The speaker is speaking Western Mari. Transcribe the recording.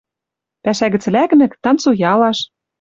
Пӓшӓ гӹц лӓкмӹк, танцуялаш.